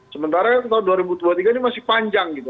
sementara tahun dua ribu dua puluh tiga ini masih panjang gitu